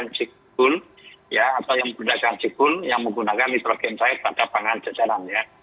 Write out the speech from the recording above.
yang cekul ya atau yang berdekatan cekul yang menggunakan nitrogen air pada pangan jajanan ya